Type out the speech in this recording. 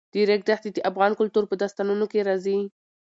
د ریګ دښتې د افغان کلتور په داستانونو کې راځي.